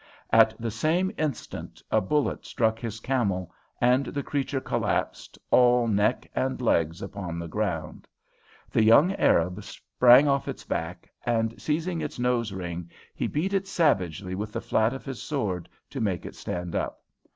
At the same instant a bullet struck his camel, and the creature collapsed, all neck and legs, upon the ground. The young Arab sprang off its back, and, seizing its nose ring, he beat it savagely with the flat of his sword to make it stand up.